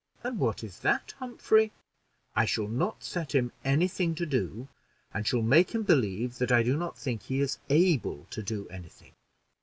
"And what is that, Humphrey?" "I shall not set him any thing to do, and shall make him believe that I do not think he is able to do any thing.